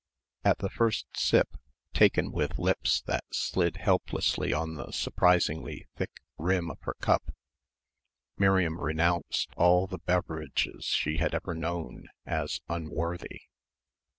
At the first sip, taken with lips that slid helplessly on the surprisingly thick rim of her cup Miriam renounced all the beverages she had ever known as unworthy.